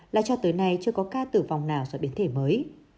là cho tới nay chưa có ca tử vong nào do biến thể mới